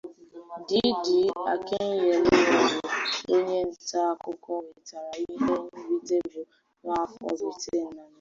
Didi Akinyelure bụ onye nta akụkọ nwetara ihe nrite bụ nwaafọ Briten na Naijiria.